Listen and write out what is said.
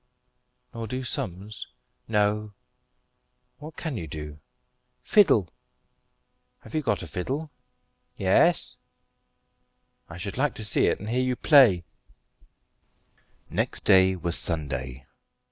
"Nor do sums?" "No." "What can you do?" "Fiddle." "Have you got a fiddle?" "Yes." "I should like to see it, and hear you play." Next day was Sunday.